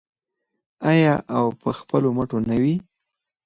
آیا او په خپلو مټو نه وي؟